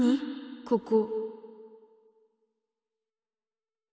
ここ。